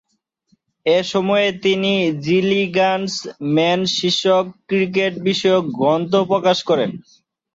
এ সময়ে তিনি Gilligan's man শীর্ষক ক্রিকেট বিষয়ক গ্রন্থ প্রকাশ করেন।